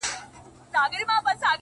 او خپل سر يې د لينگو پر آمسا کښېښود!